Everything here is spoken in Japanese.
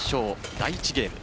第１ゲーム。